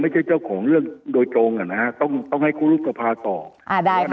ไม่ใช่เจ้าของเรื่องโดยจงอะนะฮะต้องต้องให้ครูรุฑภาต่ออ่าได้ค่ะ